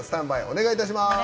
お願いいたします。